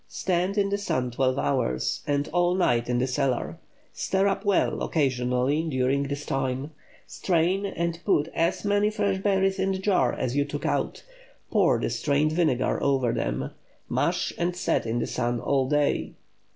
Stand in the sun twelve hours, and all night in the cellar. Stir up well occasionally during this time. Strain, and put as many fresh berries in the jar as you took out; pour the strained vinegar over them; mash and set in the sun all day.